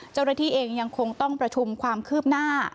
เจ้าหน้าที่เองยังคงต้องประชุมความคืบหน้า